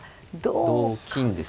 同金ですね。